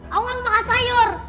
aku mau makan sayur